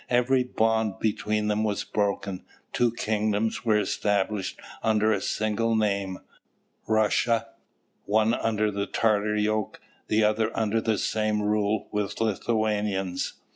Every bond between them was broken; two kingdoms were established under a single name Russia one under the Tatar yoke, the other under the same rule with Lithuanians.